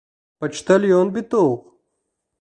Почтальон бит ул!